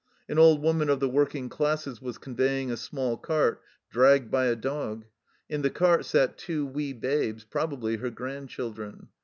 An old woman of the working classes was conveying a small cart dragged by a dog ; in the cart sat two wee babes, probably her grandchildren.